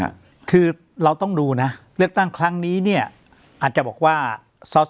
คือเราต้องดูนะเลือกตั้งครั้งนี้เนี่ยอาจจะบอกว่าสอสอ